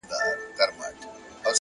خپل فکرونه د موخې خدمت ته ودرول,